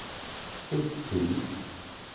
จึ๊กกึ๋ย